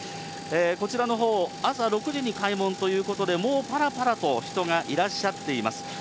こちらのほう、朝６時に開門ということで、もうぱらぱらと人がいらっしゃっています。